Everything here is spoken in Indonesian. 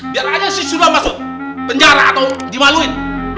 biar aja si suruh masuk penjara atau dimaluin